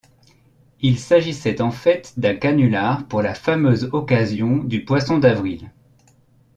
Il s'agissait en fait d'un canular pour la fameuse occasion du poisson d'avril.